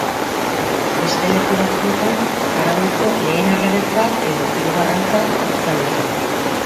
Beste leku batzuetan Aragoiko lehen erregetzat edo hirugarrentzat hartzen dute.